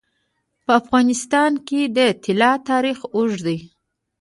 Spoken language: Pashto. په افغانستان کې د طلا تاریخ اوږد دی.